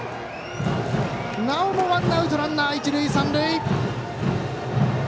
なおもワンアウトランナー、一塁三塁。